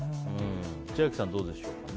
千秋さん、どうでしょう。